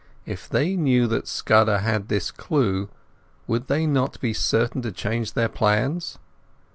If they knew that Scudder had this clue, would they not be certain to change their plans?